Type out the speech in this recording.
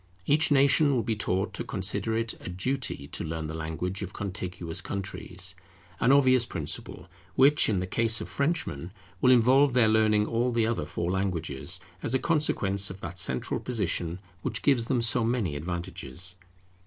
Each nation will be taught to consider it a duty to learn the language of contiguous countries; an obvious principle, which, in the case of Frenchmen, will involve their learning all the other four languages, as a consequence of that central position which gives them so many advantages.